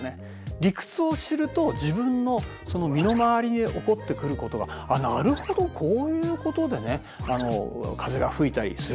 理屈を知ると自分の身の回りに起こってくることがあっなるほどこういうことで風がふいたりするんだ。